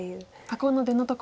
この出のところ。